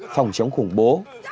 phòng chống khủng bố